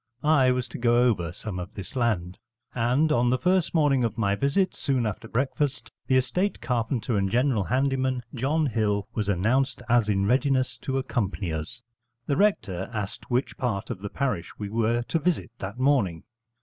I was to go over some of this land: and, on the first morning of my visit, soon after breakfast, the estate carpenter and general handyman, John Hill, was announced as in readiness to accompany us. The rector asked which part of the parish we were to visit that morning.